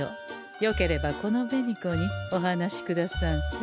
よければこの紅子にお話しくださんせ。